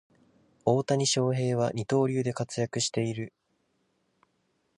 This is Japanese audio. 大谷翔平は二刀流で活躍している